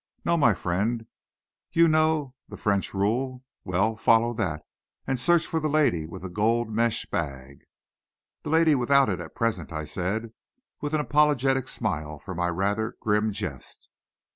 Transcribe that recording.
No, my friend, you know the French rule; well, follow that, and search for the lady with the gold mesh bag." "The lady without it, at present," I said, with an apologetic smile for my rather grim jest.